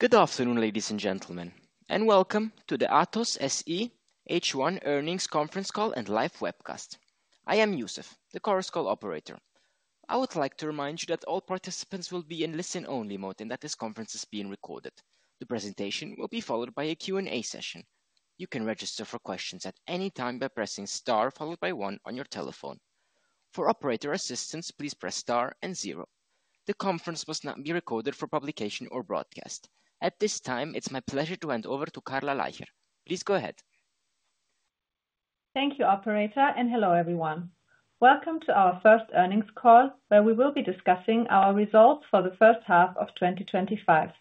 Good afternoon, ladies and gentlemen, and welcome to the ATOSS SE H1 Earnings Conference Call and Live Webcast. I am Youssef, the Chorus Call operator. I would like to remind you that all participants will be in listen-only mode, and that this conference is being recorded. The presentation will be followed by a Q&A session. You can register for questions at any time by pressing star one on your telephone. For operator assistance, please press star zero. The conference must not be recorded for publication or broadcast. At this time, it's my pleasure to hand over to Carla Leicher. Please go ahead. Thank you, operator, and hello everyone. Welcome to our first earnings call, where we will be discussing our results for the first half of 2025.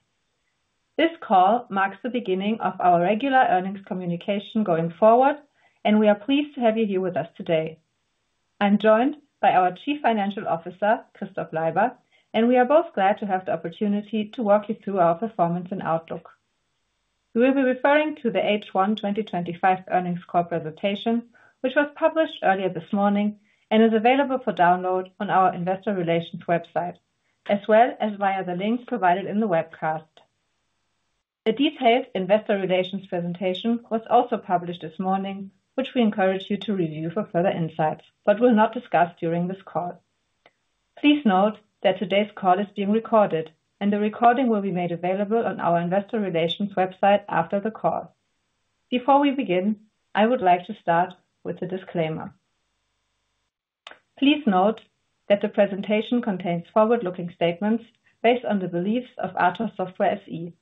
This call marks the beginning of our regular earnings communication going forward, and we are pleased to have you here with us today. I'm joined by our Chief Financial Officer, Christof Leiber, and we are both glad to have the opportunity to walk you through our performance and outlook. We will be referring to the H1 2025 Earnings Call presentation, which was published earlier this morning and is available for download on our Investor Relations website, as well as via the links provided in the webcast. The detailed Investor Relations presentation was also published this morning, which we encourage you to review for further insights, but will not discuss during this call. Please note that today's call is being recorded, and the recording will be made available on our Investor Relations website after the call. Before we begin, I would like to start with a disclaimer. Please note that the presentation contains forward-looking statements based on the beliefs of ATOSS Software SE.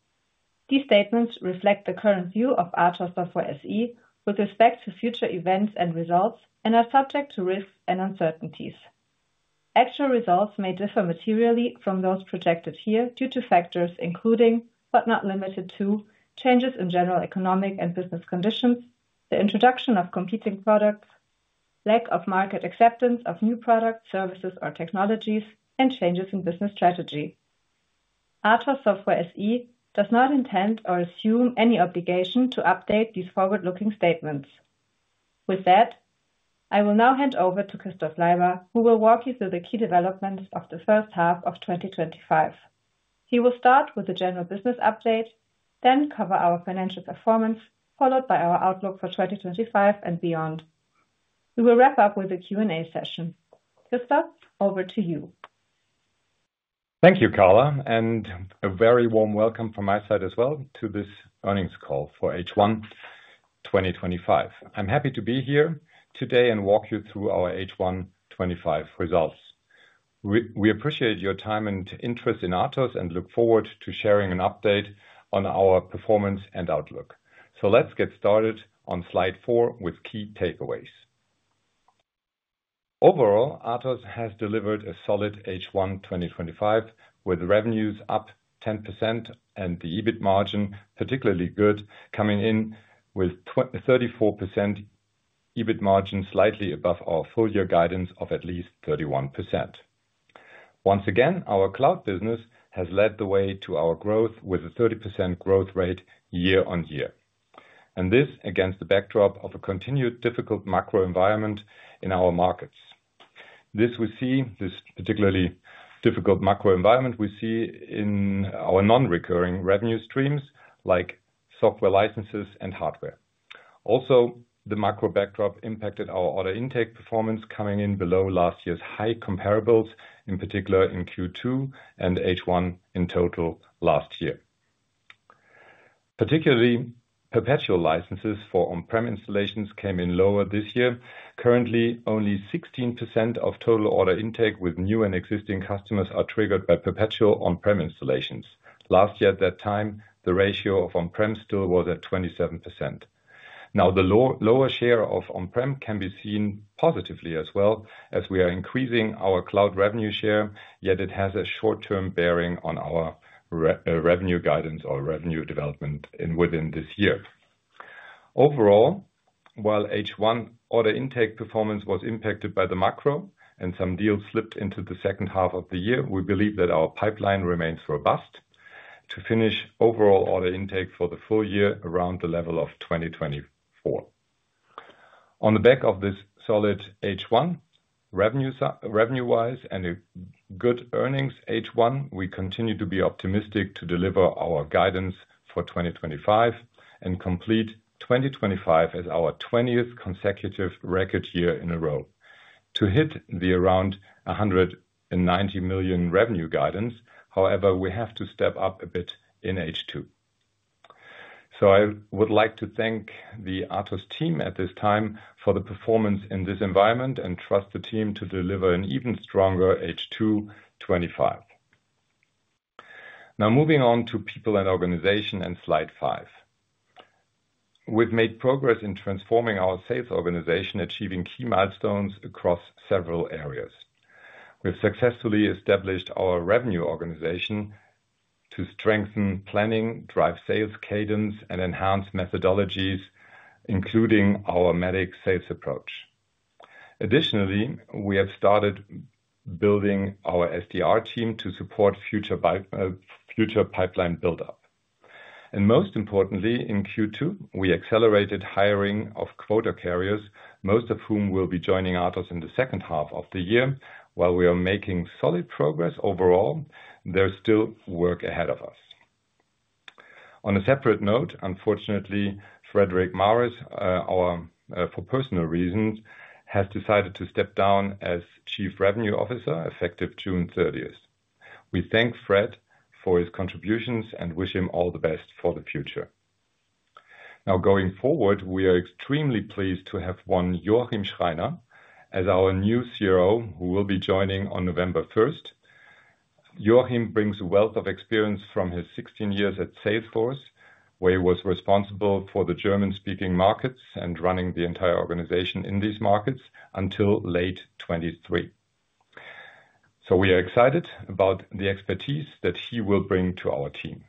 These statements reflect the current view of ATOSS Software SE with respect to future events and results and are subject to risks and uncertainties. Actual results may differ materially from those projected here due to factors including, but not limited to, changes in general economic and business conditions, the introduction of competing products, lack of market acceptance of new products, services, or technologies, and changes in business strategy. ATOSS Software SE does not intend or assume any obligation to update these forward-looking statements. With that, I will now hand over to Christof Leiber, who will walk you through the key developments of the first half of 2025. He will start with the general business update, then cover our financial performance, followed by our outlook for 2025 and beyond. We will wrap up with a Q&A session. Christof, over to you. Thank you, Carla, and a very warm welcome from my side as well to this earnings call for H1 2025. I'm happy to be here today and walk you through our H1 2025 results. We appreciate your time and interest in ATOSS and look forward to sharing an update on our performance and outlook. Let's get started on slide four with key takeaways. Overall, ATOSS has delivered a solid H1 2025 with revenues up 10% and the EBIT margin particularly good, coming in with a 34% EBIT margin, slightly above our full-year guidance of at least 31%. Once again, our cloud business has led the way to our growth with a 30% growth rate year-on-year. This is against the backdrop of a continued difficult macro environment in our markets. This particularly difficult macro environment we see in our non-recurring revenue streams like software licenses and hardware. Also, the macro backdrop impacted our order intake performance, coming in below last year's high comparables, in particular in Q2 and H1 in total last year. Particularly, perpetual licenses for on-prem installations came in lower this year. Currently, only 16% of total order intake with new and existing customers are triggered by perpetual on-prem installations. Last year, at that time, the ratio of on-prem still was at 27%. The lower share of on-prem can be seen positively as well, as we are increasing our cloud revenue share, yet it has a short-term bearing on our revenue guidance or revenue development within this year. Overall, while H1 order intake performance was impacted by the macro and some deals slipped into the second half of the year, we believe that our pipeline remains robust to finish overall order intake for the full year around the level of 2024. On the back of this solid H1 revenue-wise and a good earnings H1, we continue to be optimistic to deliver our guidance for 2025 and complete 2025 as our 20th consecutive record year in a row. To hit the around $190 million revenue guidance, however, we have to step up a bit in H2. I would like to thank the ATOSS team at this time for the performance in this environment and trust the team to deliver an even stronger H2 2025. Now, moving on to people and organization and slide five. We've made progress in transforming our sales organization, achieving key milestones across several areas. We've successfully established our revenue organization to strengthen planning, drive sales cadence, and enhance methodologies, including our MADEX sales approach. Additionally, we have started building our SDR team to support future pipeline buildup. Most importantly, in Q2, we accelerated hiring of quota carriers, most of whom will be joining ATOSS in the second half of the year. While we are making solid progress overall, there's still work ahead of us. On a separate note, unfortunately, Frederik Maris, for personal reasons, has decided to step down as Chief Revenue Officer effective June 30th. We thank Fred for his contributions and wish him all the best for the future. Going forward, we are extremely pleased to have won Joachim Schreiner as our new CEO, who will be joining on November 1st. Joachim brings a wealth of experience from his 16 years at Salesforce, where he was responsible for the German-speaking markets and running the entire organization in these markets until late 2023. We are excited about the expertise that he will bring to our team.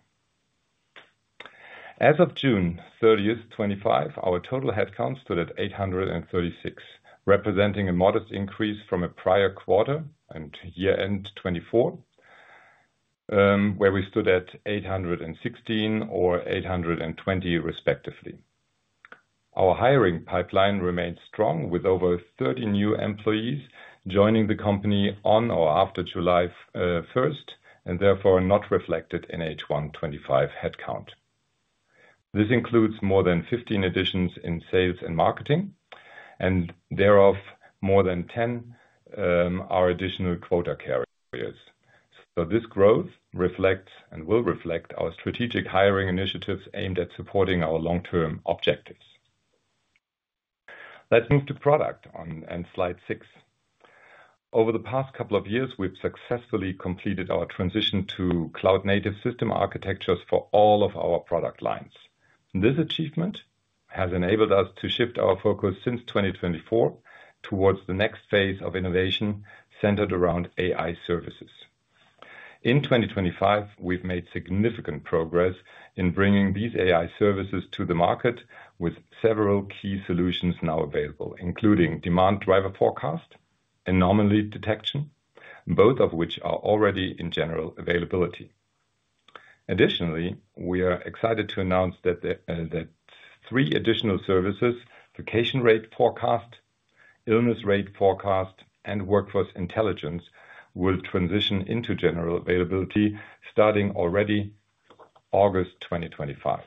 As of June 30th, 2025, our total headcount stood at 836, representing a modest increase from a prior quarter and year-end 2024, where we stood at 816 or 820 respectively. Our hiring pipeline remains strong, with over 30 new employees joining the company on or after July 1st, and therefore not reflected in H1 2025 headcount. This includes more than 15 additions in sales and marketing, and thereof more than 10 are additional quota carriers. This growth reflects and will reflect our strategic hiring initiatives aimed at supporting our long-term objectives. Let's move to product on slide six. Over the past couple of years, we've successfully completed our transition to cloud-native architectures for all of our product lines. This achievement has enabled us to shift our focus since 2024 towards the next phase of innovation centered around AI services. In 2025, we've made significant progress in bringing these AI services to the market with several key solutions now available, including demand driver forecast and anomaly detection, both of which are already in general availability. Additionally, we are excited to announce that three additional services, vacation rate forecast, illness rate forecast, and workforce intelligence, will transition into general availability starting already in August 2025.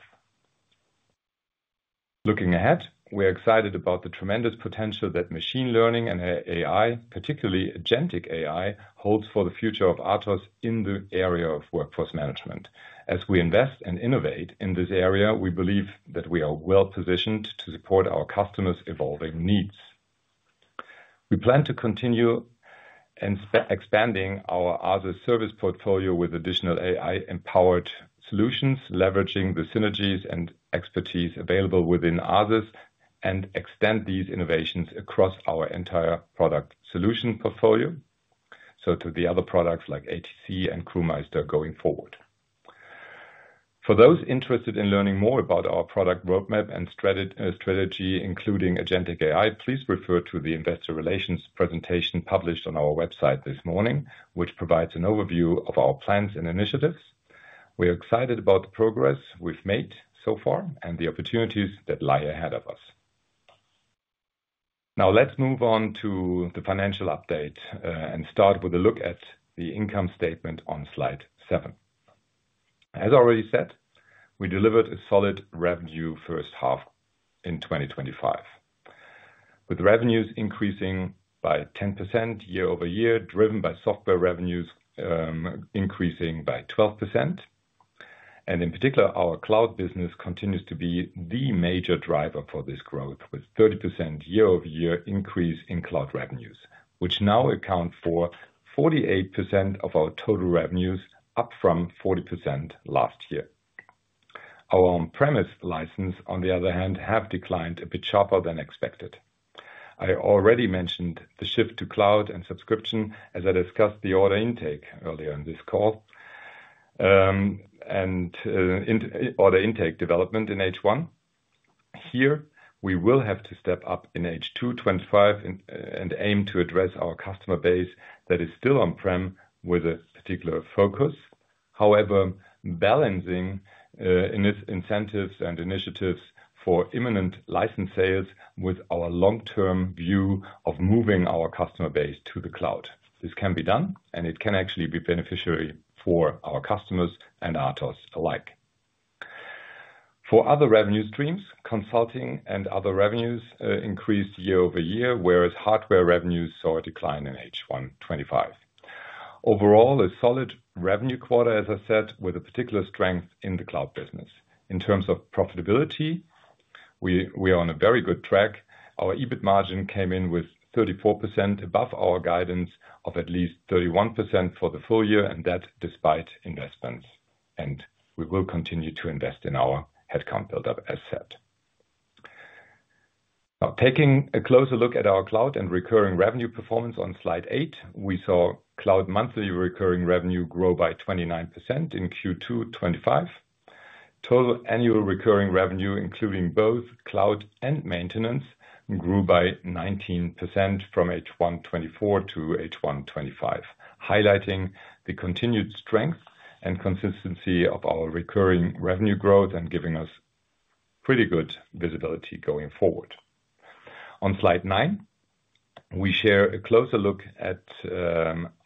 Looking ahead, we are excited about the tremendous potential that machine learning and AI, particularly agentic AI, holds for the future of ATOSS in the area of workforce management. As we invest and innovate in this area, we believe that we are well positioned to support our customers' evolving needs. We plan to continue expanding our ATOSS service portfolio with additional AI-empowered solutions, leveraging the synergies and expertise available within ATOSS, and extend these innovations across our entire product solution portfolio, so to the other products like ATC and Crewmeister going forward. For those interested in learning more about our product roadmap and strategy, including agentic AI, please refer to the Investor Relations presentation published on our website this morning, which provides an overview of our plans and initiatives. We are excited about the progress we've made so far and the opportunities that lie ahead of us. Now, let's move on to the financial update and start with a look at the income statement on slide seven. As already said, we delivered a solid revenue first half in 2025, with revenues increasing by 10% year-over-year, driven by software revenues increasing by 12%. In particular, our cloud business continues to be the major driver for this growth, with a 30% year-over-year increase in cloud revenues, which now accounts for 48% of our total revenues, up from 40% last year. Our on-premise licenses, on the other hand, have declined a bit sharper than expected. I already mentioned the shift to cloud and subscriptions, as I discussed the order intake earlier in this call and order intake development in H1. Here, we will have to step up in H2 2025 and aim to address our customer base that is still on-prem with a particular focus. However, balancing incentives and initiatives for imminent license sales with our long-term view of moving our customer base to the cloud. This can be done, and it can actually be beneficial for our customers and ATOSS alike. For other revenue streams, consulting and other revenues increased year-over-year, whereas hardware revenues saw a decline in H1 2025. Overall, a solid revenue quarter, as I said, with a particular strength in the cloud business. In terms of profitability, we are on a very good track. Our EBIT margin came in with 34% above our guidance of at least 31% for the full year, and that despite investments. We will continue to invest in our headcount buildup, as said. Now, taking a closer look at our cloud and recurring revenue performance on slide eight, we saw cloud monthly recurring revenue grow by 29% in Q2 2025. Total annual recurring revenue, including both cloud and software maintenance, grew by 19% from H1 2024-H1 2025, highlighting the continued strength and consistency of our recurring revenue growth and giving us pretty good visibility going forward. On slide nine, we share a closer look at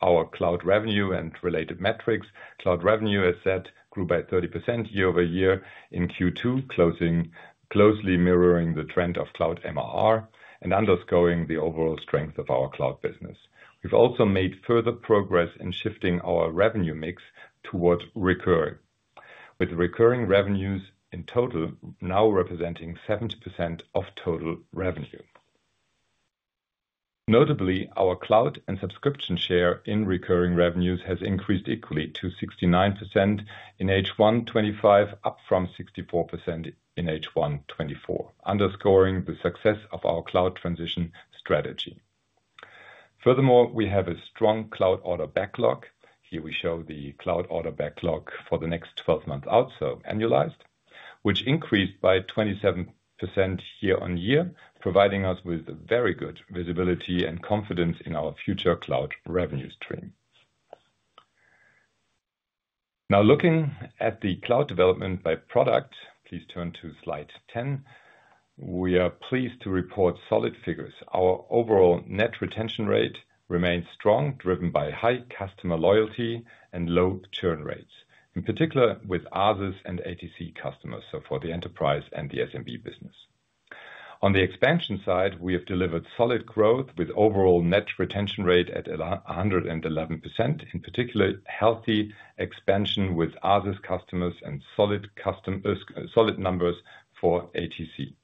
our cloud revenue and related metrics. Cloud revenue, as said, grew by 30% year-over-year in Q2, closely mirroring the trend of cloud MRR and underscoring the overall strength of our cloud business. We've also made further progress in shifting our revenue mix toward recurring, with recurring revenues in total now representing 70% of total revenue. Notably, our cloud and subscriptions share in recurring revenues has increased equally to 69% in H1 2025, up from 64% in H1 2024, underscoring the success of our cloud transition strategy. Furthermore, we have a strong cloud order backlog. Here we show the cloud order backlog for the next 12 months out, so annualized, which increased by 27% year-on-year, providing us with very good visibility and confidence in our future cloud revenue stream. Now, looking at the cloud development by product, please turn to slide 10. We are pleased to report solid figures. Our overall net retention rate remains strong, driven by high customer loyalty and low churn rates, in particular with ATOSS and ATC customers, so for the enterprise and the SMB business. On the expansion side, we have delivered solid growth with overall net retention rate at 111%, in particular healthy expansion with ATOSS customers and solid numbers for ATC.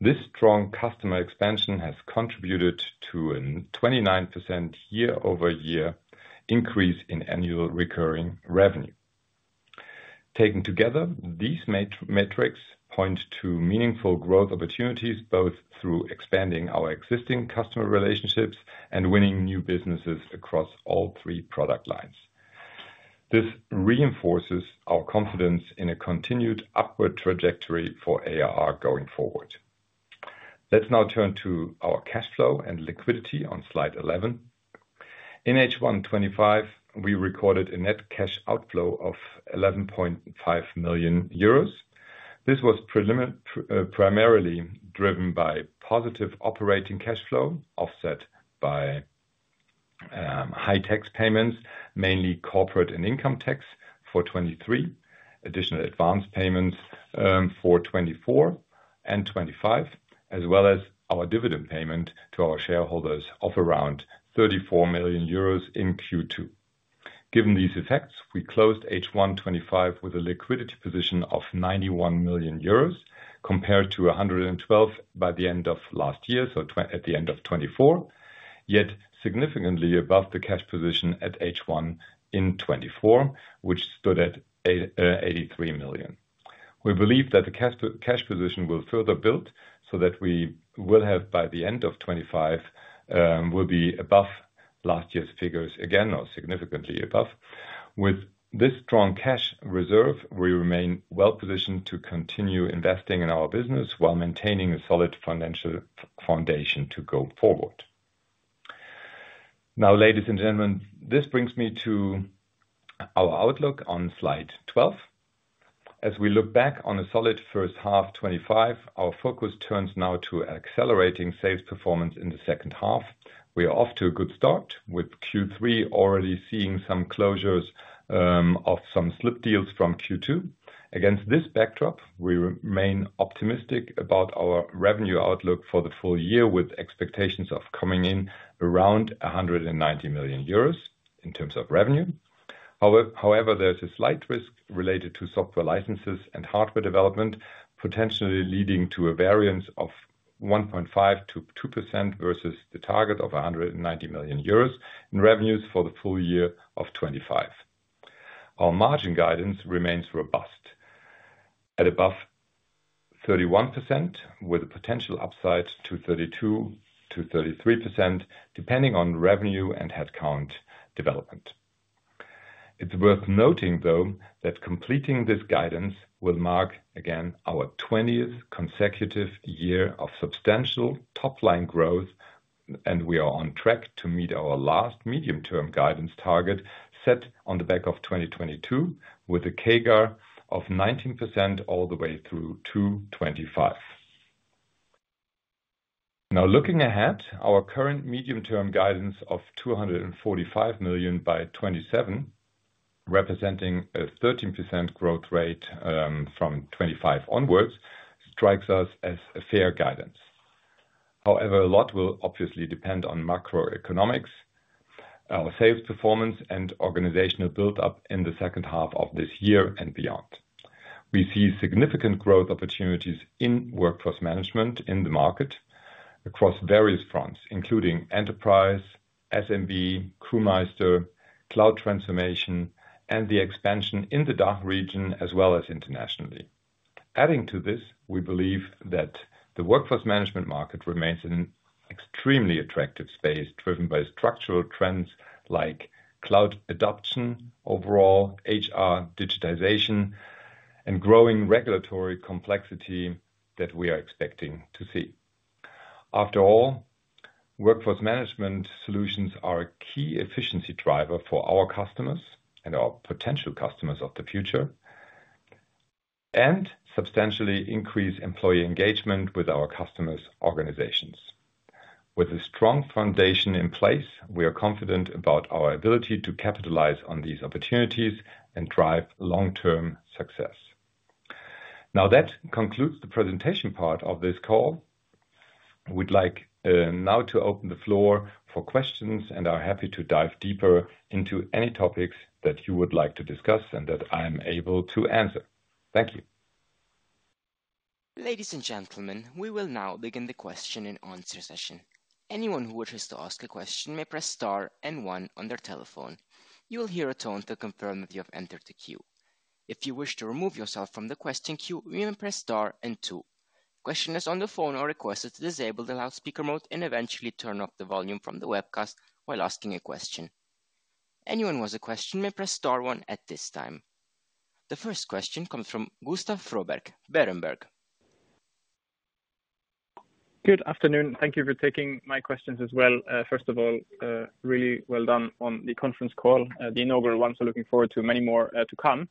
This strong customer expansion has contributed to a 29% year-over-year increase in annual recurring revenue. Taken together, these metrics point to meaningful growth opportunities, both through expanding our existing customer relationships and winning new businesses across all three product lines. This reinforces our confidence in a continued upward trajectory for ARR going forward. Let's now turn to our cash flow and liquidity on slide 11. In H1 2025, we recorded a net cash outflow of 11.5 million euros. This was primarily driven by positive operating cash flow, offset by high tax payments, mainly corporate and income tax for 2023, additional advance payments for 2024 and 2025, as well as our dividend payment to our shareholders of around 34 million euros in Q2. Given these effects, we closed H1 2025 with a liquidity position of 91 million euros, compared to 112 million by the end of last year, so at the end of 2024, yet significantly above the cash position at H1 in 2024, which stood at 83 million. We believe that the cash position will further build so that we will have, by the end of 2025, we'll be above last year's figures again, or significantly above. With this strong cash reserve, we remain well positioned to continue investing in our business while maintaining a solid financial foundation to go forward. Now, ladies and gentlemen, this brings me to our outlook on slide 12. As we look back on a solid first half of 2025, our focus turns now to accelerating sales performance in the second half. We are off to a good start, with Q3 already seeing some closures of some slip deals from Q2. Against this backdrop, we remain optimistic about our revenue outlook for the full year, with expectations of coming in around 190 million euros in terms of revenue. However, there's a slight risk related to software licenses and hardware development, potentially leading to a variance of 1.5%-2% versus the target of 190 million euros in revenues for the full year of 2025. Our margin guidance remains robust at above 31%, with a potential upside to 32%-33%, depending on revenue and headcount development. It's worth noting, though, that completing this guidance will mark, again, our 20th consecutive year of substantial top-line growth, and we are on track to meet our last medium-term guidance target set on the back of 2022, with a CAGR of 19% all the way through 2025. Now, looking ahead, our current medium-term guidance of 245 million by 2027, representing a 13% growth rate from 2025 onwards, strikes us as a fair guidance. However, a lot will obviously depend on macroeconomics: our sales performance and organizational buildup in the second half of this year and beyond. We see significant growth opportunities in workforce management in the market across various fronts, including enterprise, SMB, Crewmeister, cloud transformation, and the expansion in the DACH region, as well as internationally. Adding to this, we believe that the workforce management market remains an extremely attractive space, driven by structural trends like cloud adoption, overall HR digitization, and growing regulatory complexity that we are expecting to see. After all, workforce management solutions are a key efficiency driver for our customers and our potential customers of the future, and substantially increase employee engagement with our customers' organizations. With a strong foundation in place, we are confident about our ability to capitalize on these opportunities and drive long-term success. That concludes the presentation part of this call. We'd like now to open the floor for questions, and I'm happy to dive deeper into any topics that you would like to discuss and that I'm able to answer. Thank you. Ladies and gentlemen, we will now begin the question and answer session. Anyone who wishes to ask a question may press star and one on their telephone. You will hear a tone to confirm that you have entered the queue. If you wish to remove yourself from the question queue, you may press star and two. Questioners on the phone are requested to disable the loudspeaker mode and eventually turn up the volume from the webcast while asking a question. Anyone who has a question may press star one at this time. The first question comes from Gustav Fröberg, Berenberg. Good afternoon. Thank you for taking my questions as well. First of all, really well done on the conference call, the inaugural one, so looking forward to many more to come.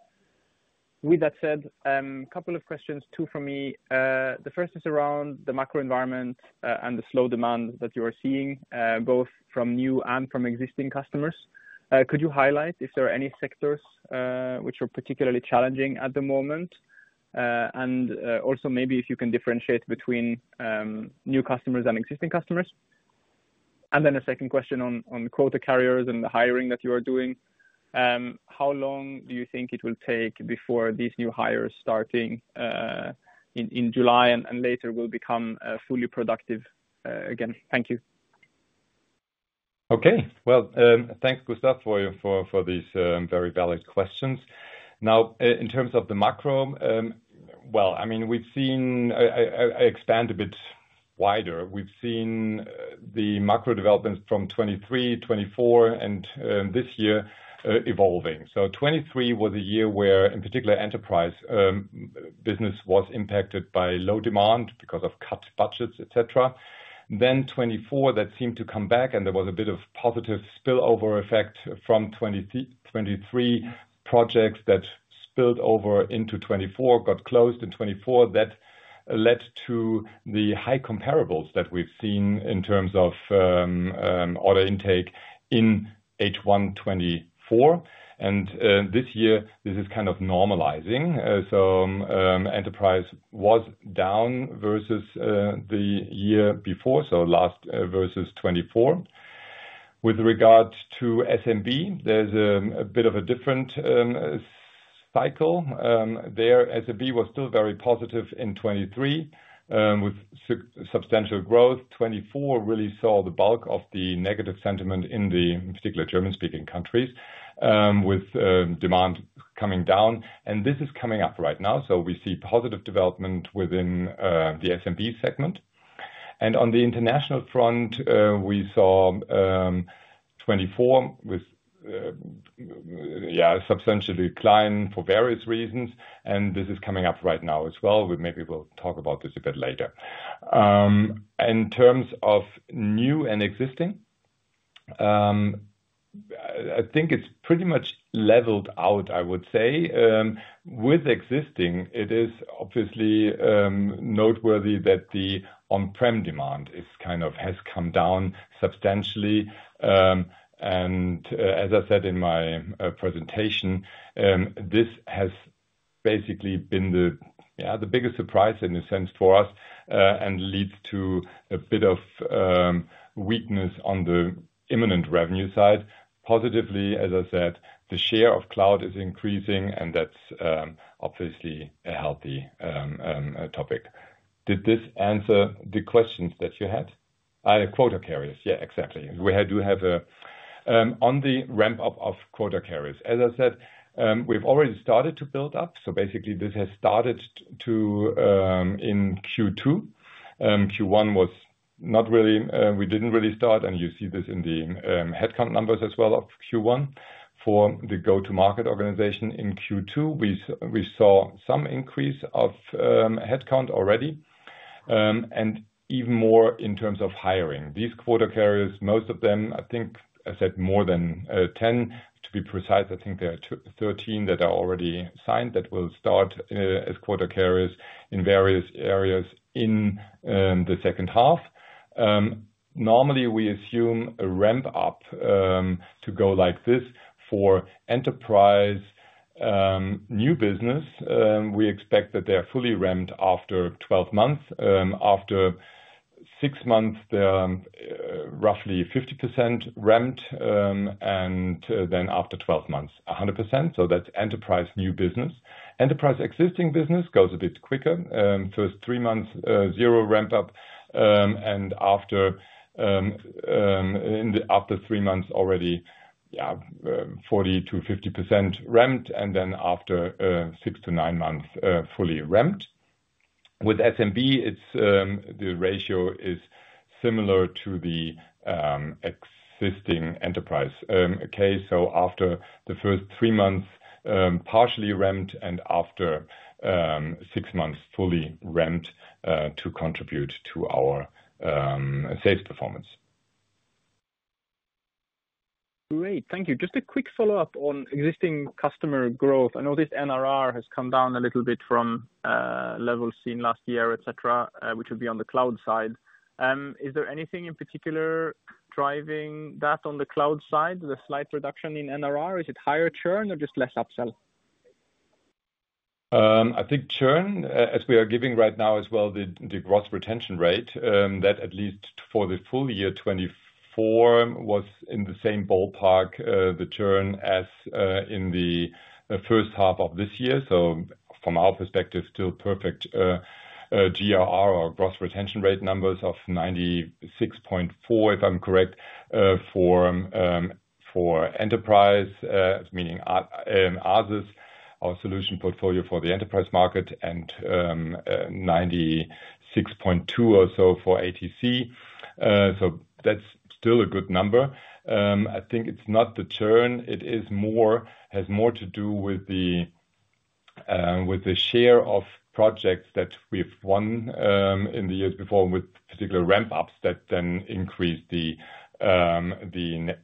With that said, a couple of questions, two from me. The first is around the macro environment and the slow demand that you are seeing, both from new and from existing customers. Could you highlight if there are any sectors which are particularly challenging at the moment? Also, maybe if you can differentiate between new customers and existing customers. A second question on quota-carrying sales staff and the hiring that you are doing. How long do you think it will take before these new hires starting in July and later will become fully productive again? Thank you. Okay, thanks Gustav for these very valid questions. In terms of the macro, I mean, we've seen, I expand a bit wider. We've seen the macro developments from 2023, 2024, and this year evolving. 2023 was a year where, in particular, enterprise business was impacted by low demand because of cut budgets, etc. In 2024, that seemed to come back, and there was a bit of positive spillover effect from 2023 projects that spilled over into 2024, got closed in 2024. That led to the high comparables that we've seen in terms of order intake in H1 2024. This year, this is kind of normalizing. Enterprise was down versus the year before, so last versus 2024. With regard to SMB, there's a bit of a different cycle there. SMB was still very positive in 2023, with substantial growth. 2024 really saw the bulk of the negative sentiment in the particular German-speaking countries, with demand coming down. This is coming up right now. We see positive development within the SMB segment. On the international front, we saw 2024 with a substantial decline for various reasons. This is coming up right now as well. Maybe we'll talk about this a bit later. In terms of new and existing, I think it's pretty much leveled out, I would say. With existing, it is obviously noteworthy that the on-prem demand has come down substantially. As I said in my presentation, this has basically been the biggest surprise in a sense for us and leads to a bit of weakness on the imminent revenue side. Positively, as I said, the share of cloud is increasing, and that's obviously a healthy topic. Did this answer the questions that you had? The quota carriers, yeah, exactly. We do have a on the ramp-up of quota carriers. As I said, we've already started to build up. This has started in Q2. Q1 was not really, we didn't really start, and you see this in the headcount numbers as well of Q1. For the go-to-market organization in Q2, we saw some increase of headcount already, and even more in terms of hiring. These quota carriers, most of them, I think I said more than 10 to be precise. I think there are 13 that are already signed that will start as quota carriers in various areas in the second half. Normally, we assume a ramp-up to go like this for enterprise new business. We expect that they're fully ramped after 12 months. After six months, they're roughly 50% ramped, and then after 12 months, 100%. That's enterprise new business. Enterprise existing business goes a bit quicker. First three months, zero ramp-up, and after three months, already 40%-50% ramped, and then after six to nine months, fully ramped. With SMB, the ratio is similar to the existing enterprise case. After the first three months, partially ramped, and after six months, fully ramped to contribute to our sales performance. Great, thank you. Just a quick follow-up on existing customer growth. I noticed NRR has come down a little bit from levels seen last year, et cetera, which would be on the cloud side. Is there anything in particular driving that on the cloud side, the slight reduction in NRR? Is it higher churn or just less upsell? I think churn, as we are giving right now as well, the gross retention rate, that at least for the full year 2024 was in the same ballpark, the churn as in the first half of this year. From our perspective, still perfect GRR or gross retention rate numbers of 96.4% if I'm correct for enterprise, meaning ATOSS, our solution portfolio for the enterprise market, and 96.2% or so for ATC. That's still a good number. I think it's not the churn. It has more to do with the share of projects that we've won in the years before, with particular ramp-ups that then increased the NRR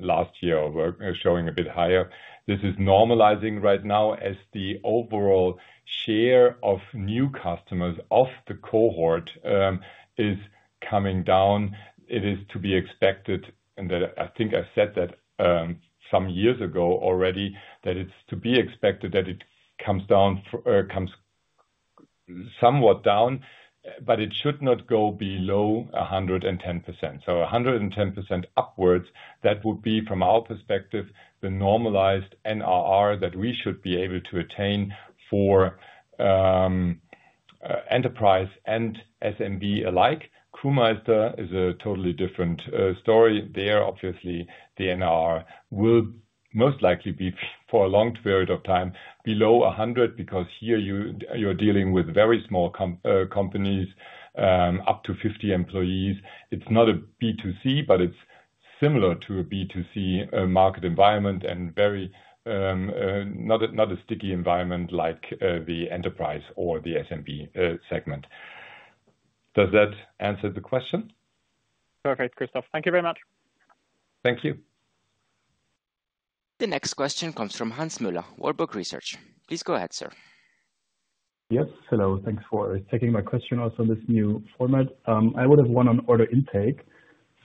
last year, showing a bit higher. This is normalizing right now as the overall share of new customers of the cohort is coming down. It is to be expected, and I think I said that some years ago already, that it's to be expected that it comes somewhat down, but it should not go below 110%. 110% upwards, that would be, from our perspective, the normalized NRR that we should be able to attain for enterprise and SMB alike. Crewmeister is a totally different story. There, obviously, the NRR will most likely be for a long period of time below 100% because here you're dealing with very small companies, up to 50 employees. It's not a B2C, but it's similar to a B2C market environment and not a sticky environment like the enterprise or the SMB segment. Does that answer the question? Perfect, Christof. Thank you very much. Thank you. The next question comes from Hannes Müller, Warburg Research. Please go ahead, sir. Yes, hello. Thanks for taking my question also in this new format. I would have one on order intake.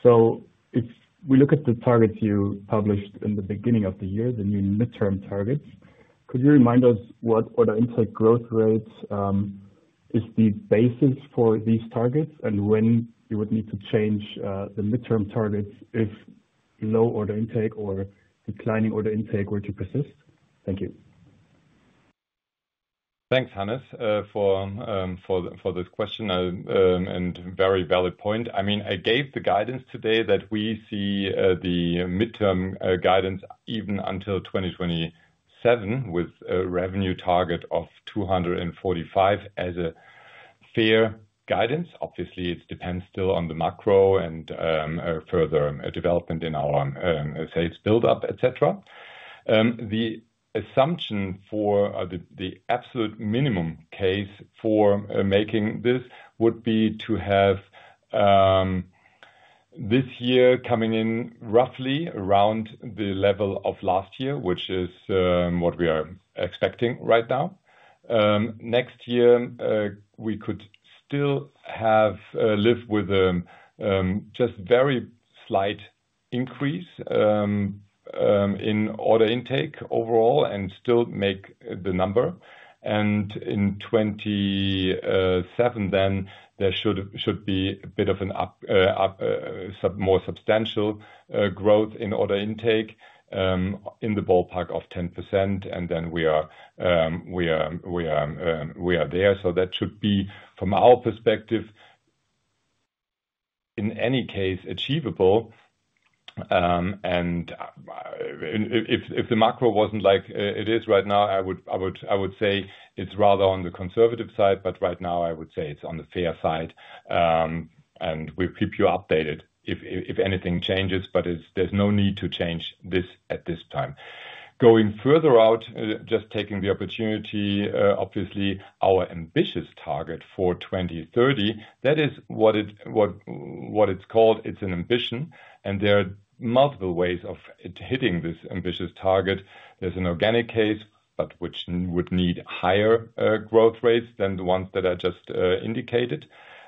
If we look at the targets you published in the beginning of the year, the new midterm targets, could you remind us what order intake growth rate is the basis for these targets and when you would need to change the midterm targets if low order intake or declining order intake were to persist? Thank you. Thanks, Hannes, for this question and a very valid point. I mean, I gave the guidance today that we see the midterm guidance even until 2027 with a revenue target of 245% as a fair guidance. Obviously, it depends still on the macro and further development in our sales buildup, et cetera. The assumption for the absolute minimum case for making this would be to have this year coming in roughly around the level of last year, which is what we are expecting right now. Next year, we could still live with just a very slight increase in order intake overall and still make the number. In 2027, there should be a bit of a more substantial growth in order intake in the ballpark of 10%, and then we are there. That should be, from our perspective, in any case, achievable. If the macro wasn't like it is right now, I would say it's rather on the conservative side, but right now, I would say it's on the fair side. We'll keep you updated if anything changes, but there's no need to change this at this time. Going further out, just taking the opportunity, obviously, our ambitious target for 2030, that is what it's called. It's an ambition. There are multiple ways of hitting this ambitious target. There's an organic case, but which would need higher growth rates than the ones that I just indicated,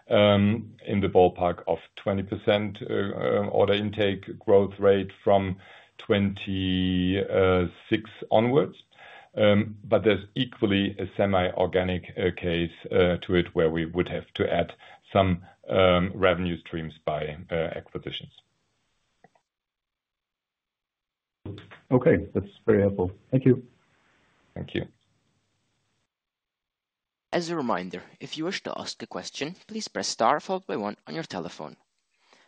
in the ballpark of 20% order intake growth rate from 2026 onwards. There's equally a semi-organic case to it where we would have to add some revenue streams by acquisitions. Okay, that's very helpful. Thank you. Thank you. As a reminder, if you wish to ask a question, please press star one on your telephone.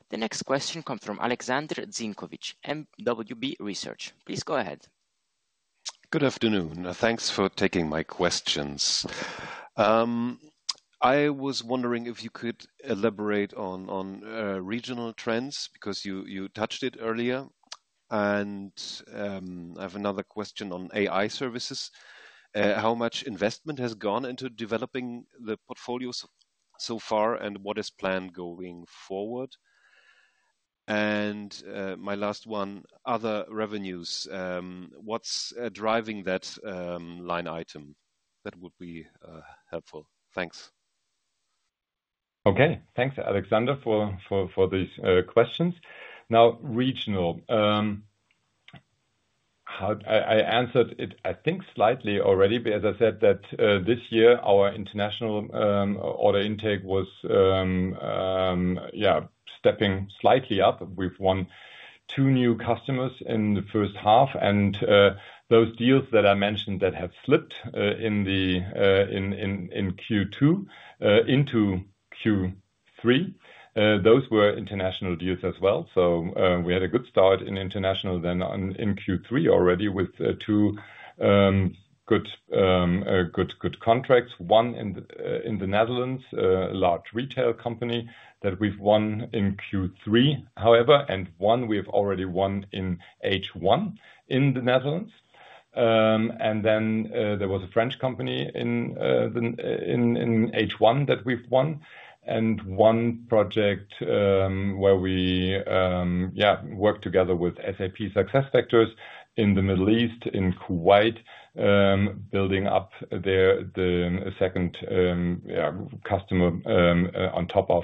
The next question comes from Alexander Zienkowicz, mwb research. Please go ahead. Good afternoon. Thanks for taking my questions. I was wondering if you could elaborate on regional trends because you touched it earlier. I have another question on AI services. How much investment has gone into developing the portfolios so far, and what is planned going forward? My last one, other revenues, what's driving that line item? That would be helpful. Thanks. Okay, thanks, Alexander, for these questions. Now, regional, I answered it, I think, slightly already, but as I said, this year, our international order intake was stepping slightly up. We've won two new customers in the first half, and those deals that I mentioned that have slipped in Q2 into Q3, those were international deals as well. We had a good start in international then in Q3 already with two good contracts. One in the Netherlands, a large retail company that we've won in Q3, however, and one we've already won in H1 in the Netherlands. There was a French company in H1 that we've won, and one project where we worked together with SAP SuccessFactors in the Middle East, in Kuwait, building up their second customer on top of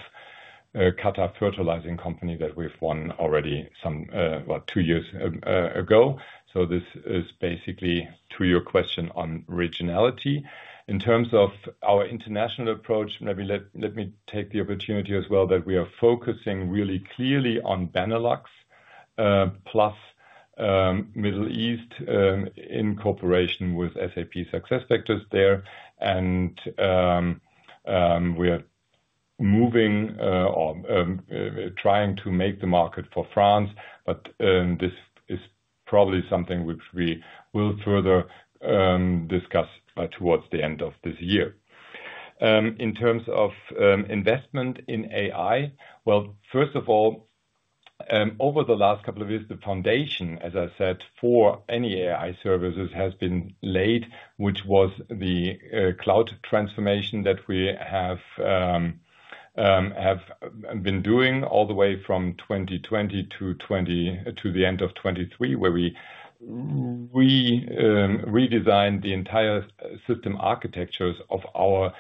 Qatar Fertilizing Company that we've won already some, well, two years ago. This is basically to your question on regionality. In terms of our international approach, maybe let me take the opportunity as well that we are focusing really clearly on Benelux plus Middle East in cooperation with SAP SuccessFactors there. We're moving or trying to make the market for France, but this is probably something which we will further discuss towards the end of this year. In terms of investment in AI, first of all, over the last couple of years, the foundation, as I said, for any AI services has been laid, which was the cloud transformation that we have been doing all the way from 2020 to the end of 2023, where we redesigned the entire system architectures of our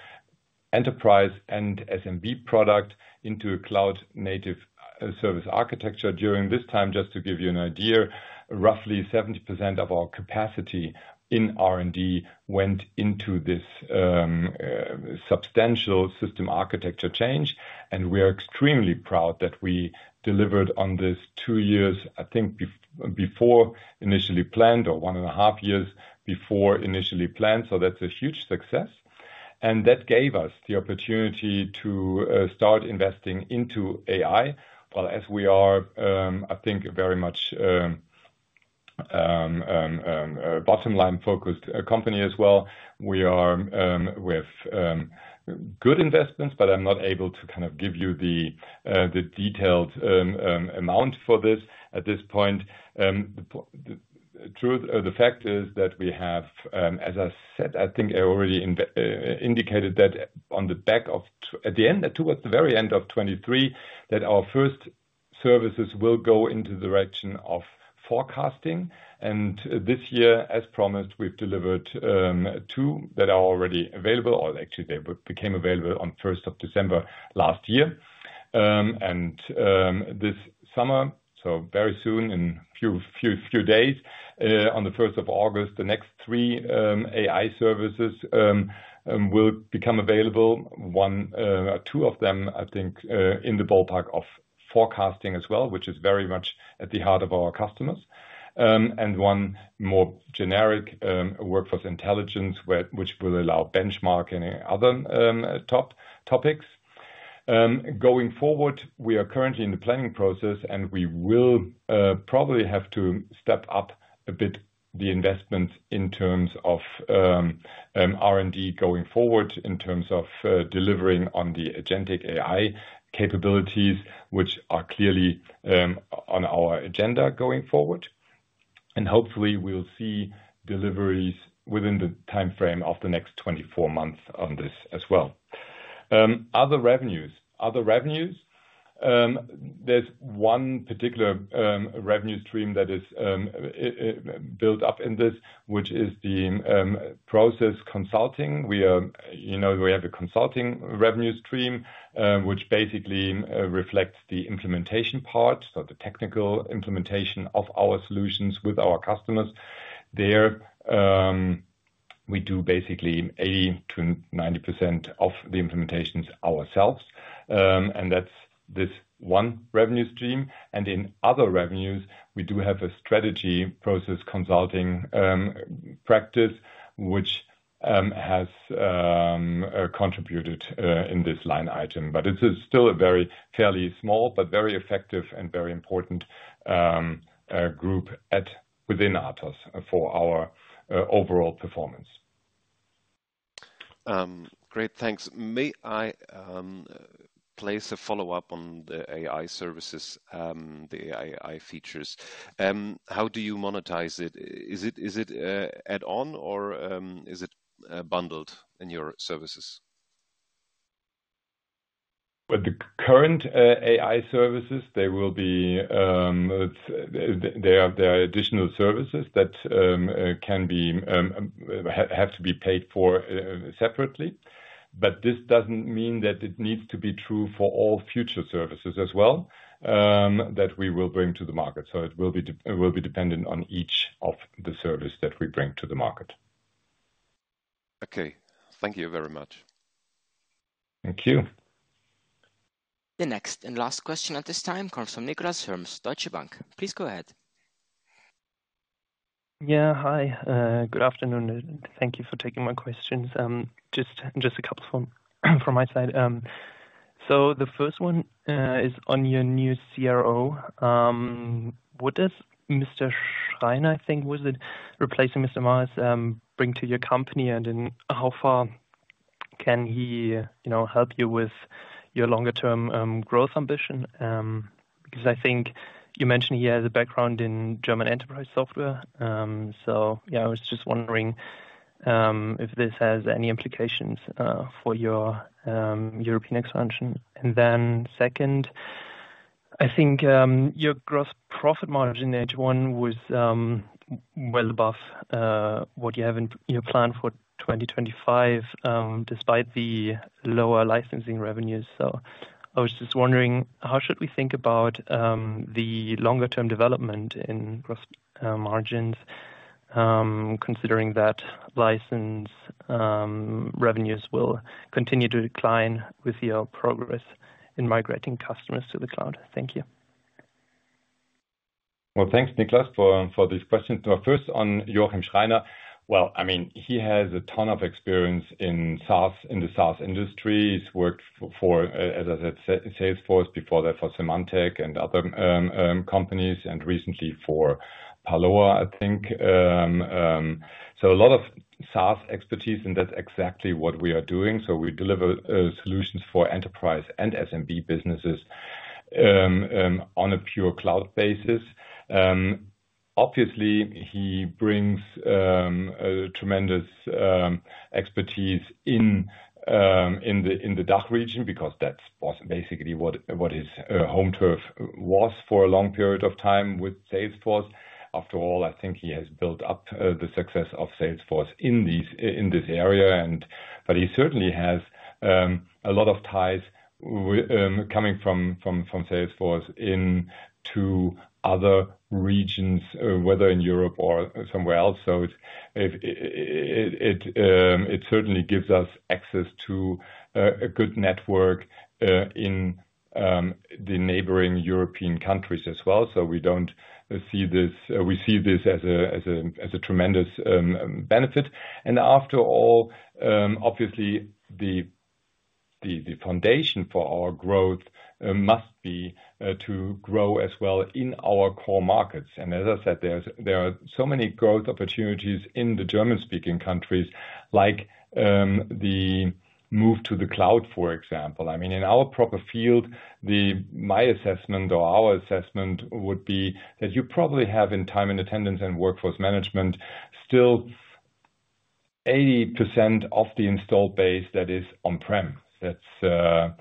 enterprise and SMB product into a cloud-native service architecture. During this time, just to give you an idea, roughly 70% of our capacity in R&D went into this substantial system architecture change. We're extremely proud that we delivered on this two years, I think, before initially planned, or one and a half years before initially planned. That's a huge success. That gave us the opportunity to start investing into AI. As we are, I think, a very much bottom-line-focused company as well, we have good investments, but I'm not able to kind of give you the detailed amount for this at this point. The fact is that we have, as I said, I think I already indicated that on the back of, at the end, towards the very end of 2023, that our first services will go into the direction of forecasting. This year, as promised, we've delivered two that are already available, or actually, they became available on 1st of December last year. This summer, very soon, in a few days, on the 1st of August, the next three AI services will become available. One or two of them, I think, in the ballpark of forecasting as well, which is very much at the heart of our customers. One more generic workforce intelligence, which will allow benchmarking and other top topics. Going forward, we are currently in the planning process, and we will probably have to step up a bit the investments in terms of R&D going forward in terms of delivering on the agentic AI capabilities, which are clearly on our agenda going forward. Hopefully, we'll see deliveries within the timeframe of the next 24 months on this as well. Other revenues, there's one particular revenue stream that is built up in this, which is the process consulting. We have a consulting revenue stream, which basically reflects the implementation part, the technical implementation of our solutions with our customers. There, we do basically 80%-90% of the implementations ourselves. That's this one revenue stream. In other revenues, we do have a strategy process consulting practice, which has contributed in this line item. It's still a fairly small but very effective and very important group within ATOSS for our overall performance. Great, thanks. May I place a follow-up on the AI services, the AI features? How do you monetize it? Is it add-on or is it bundled in your services? With the current AI services, there are additional services that have to be paid for separately. This doesn't mean that it needs to be true for all future services as well that we will bring to the market. It will be dependent on each of the services that we bring to the market. Okay, thank you very much. Thank you. The next and last question at this time comes from Niklas from Deutsche Bank. Please go ahead. Yeah, hi. Good afternoon. Thank you for taking my questions. Just a couple from my side. The first one is on your new CRO. What does Mr. Schreiner, I think, was it replacing Mr. Maris, bring to your company? How far can he help you with your longer-term growth ambition? I think you mentioned he has a background in German enterprise software. I was just wondering if this has any implications for your European expansion. Second, I think your gross profit margin in H1 was well above what you have in your plan for 2025, despite the lower licensing revenues. I was just wondering, how should we think about the longer-term development in gross margins, considering that license revenues will continue to decline with your progress in migrating customers to the cloud? Thank you. Thank you, Niklas, for this question. First, on Joachim Schreiner, he has a ton of experience in the SaaS industry. He's worked for, as I said, Salesforce, before that for Symantec and other companies, and recently for Parloa, I think. A lot of SaaS expertise, and that's exactly what we are doing. We deliver solutions for enterprise and SMB businesses on a pure cloud basis. Obviously, he brings tremendous expertise in the DACH region because that was basically what his home turf was for a long period of time with Salesforce. After all, I think he has built up the success of Salesforce in this area. He certainly has a lot of ties coming from Salesforce into other regions, whether in Europe or somewhere else. It certainly gives us access to a good network in the neighboring European countries as well. We don't see this, we see this as a tremendous benefit. After all, obviously, the foundation for our growth must be to grow as well in our core markets. As I said, there are so many growth opportunities in the German-speaking countries, like the move to the cloud, for example. In our proper field, my assessment or our assessment would be that you probably have in time and attendance and workforce management still 80% of the installed base that is on-prem. That's a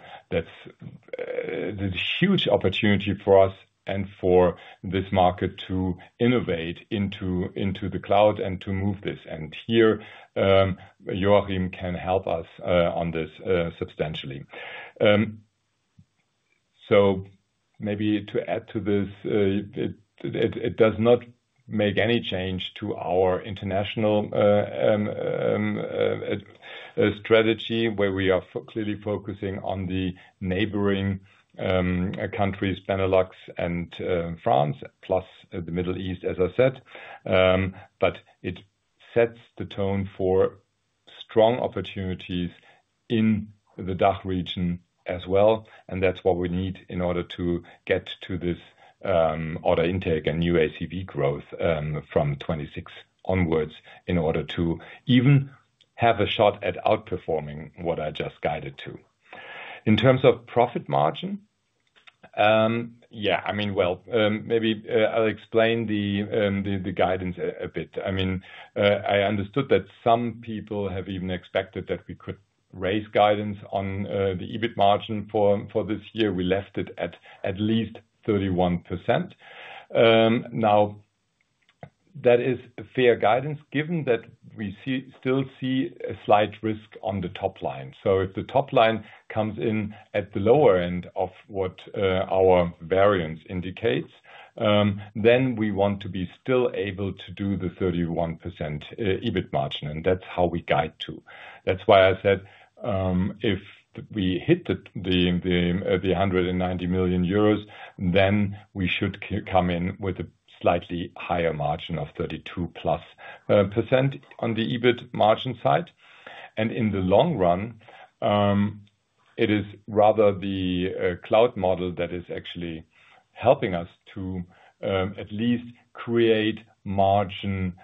huge opportunity for us and for this market to innovate into the cloud and to move this. Here, Joachim can help us on this substantially. Maybe to add to this, it does not make any change to our international strategy, where we are clearly focusing on the neighboring countries, Benelux and France, plus the Middle East, as I said. It sets the tone for strong opportunities in the DACH region as well. That's what we need in order to get to this order intake and new ACV growth from 2026 onwards, in order to even have a shot at outperforming what I just guided to. In terms of profit margin, maybe I'll explain the guidance a bit. I understood that some people have even expected that we could raise guidance on the EBIT margin for this year. We left it at at least 31%. That is fair guidance, given that we still see a slight risk on the top line. If the top line comes in at the lower end of what our variance indicates, then we want to be still able to do the 31% EBIT margin. That's how we guide to. That's why I said if we hit the 190 million euros, then we should come in with a slightly higher margin of 32%+ on the EBIT margin side. In the long run, it is rather the cloud model that is actually helping us to at least create margin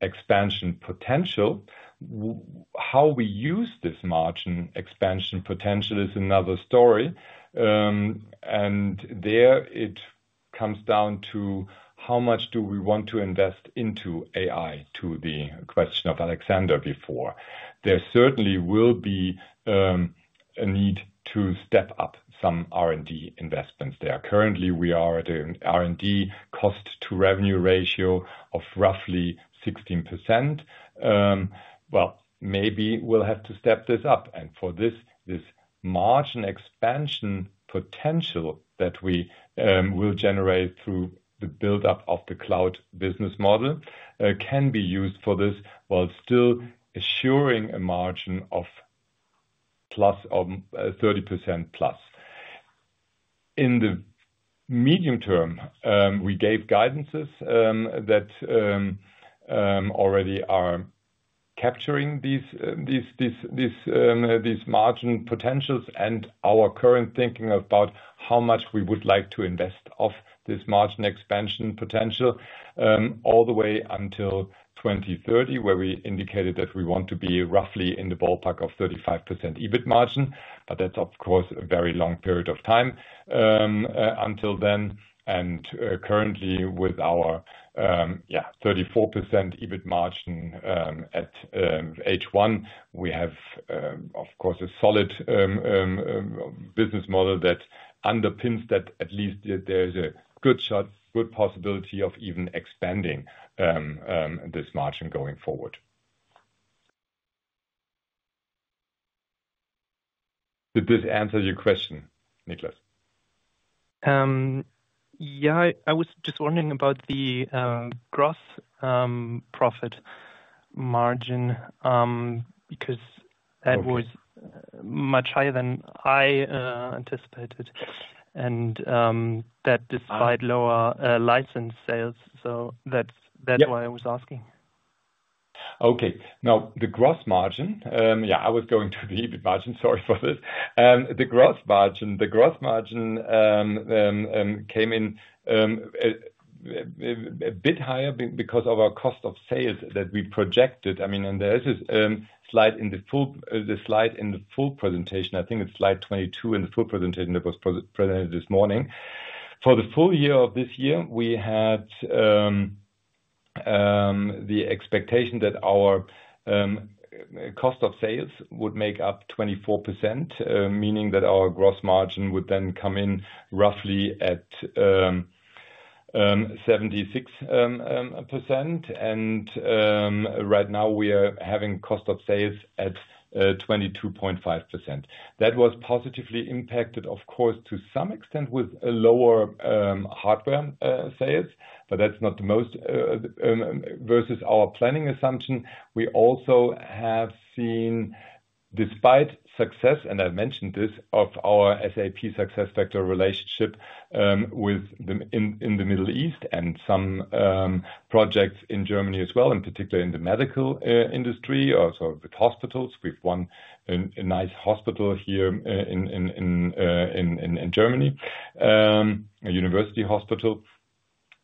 expansion potential. How we use this margin expansion potential is another story. There, it comes down to how much do we want to invest into AI, to the question of Alexander before. There certainly will be a need to step up some R&D investments there. Currently, we are at an R&D cost-to-revenue ratio of roughly 16%. Maybe we'll have to step this up. For this, this margin expansion potential that we will generate through the buildup of the cloud business model can be used for this, while still assuring a margin of 30%+. In the medium term, we gave guidances that already are capturing these margin potentials and our current thinking about how much we would like to invest of this margin expansion potential all the way until 2030, where we indicated that we want to be roughly in the ballpark of 35% EBIT margin. That's, of course, a very long period of time until then. Currently, with our 34% EBIT margin at H1, we have, of course, a solid business model that underpins that. At least there's a good shot, good possibility of even expanding this margin going forward. Did this answer your question, Niklas? Yeah, I was just wondering about the gross profit margin because that was much higher than I anticipated. That, despite lower license sales, is why I was asking. Okay. Now, the gross margin, yeah, I was going to the EBIT margin, sorry for this. The gross margin came in a bit higher because of our cost of sales that we projected. I mean, and there is a slide in the full presentation. I think it's slide 22 in the full presentation that was presented this morning. For the full year of this year, we had the expectation that our cost of sales would make up 24%, meaning that our gross margin would then come in roughly at 76%. Right now, we are having cost of sales at 22.5%. That was positively impacted, of course, to some extent with lower hardware sales, but that's not the most versus our planning assumption. We also have seen, despite success, and I've mentioned this, of our SAP SuccessFactors relationship in the Middle East and some projects in Germany as well, in particular in the medical industry, also with hospitals. We've won a nice hospital here in Germany, a university hospital.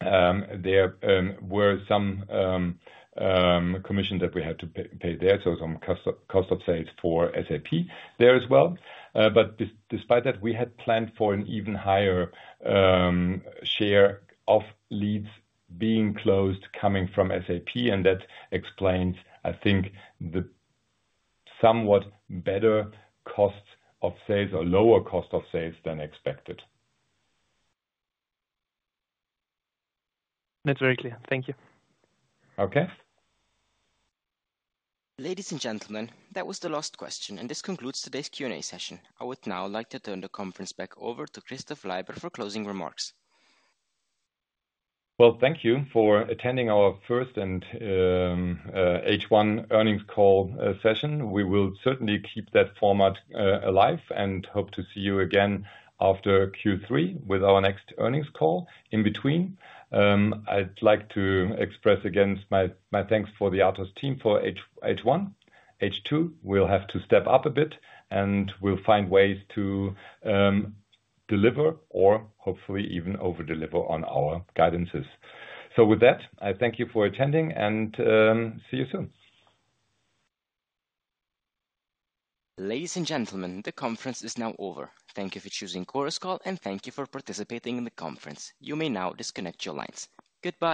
There were some commissions that we had to pay there, so some cost of sales for SAP there as well. Despite that, we had planned for an even higher share of leads being closed coming from SAP. That explains, I think, the somewhat better cost of sales or lower cost of sales than expected. That's very clear. Thank you. Okay. Ladies and gentlemen, that was the last question, and this concludes today's Q&A session. I would now like to turn the conference back over to Christof Leiber for closing remarks. Thank you for attending our first and H1 earnings call session. We will certainly keep that format alive and hope to see you again after Q3 with our next earnings call. In between, I'd like to express again my thanks for the ATOSS team for H1. H2 will have to step up a bit, and we'll find ways to deliver or hopefully even overdeliver on our guidances. With that, I thank you for attending, and see you soon. Ladies and gentlemen, the conference is now over. Thank you for choosing Chorus Call, and thank you for participating in the conference. You may now disconnect your lines. Goodbye.